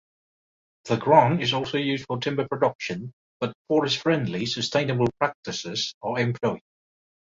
The Grant is also used for timber production, but forest-friendly, sustainable practices are employed.